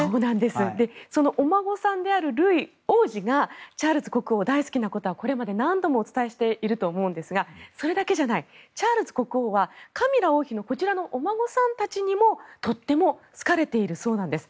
そのお孫さんであるルイ王子がチャールズ国王が大好きなことは何度もお伝えしていると思いますがそれだけじゃないチャールズ国王はカミラ王妃のお孫さんたちにもとても好かれているそうです。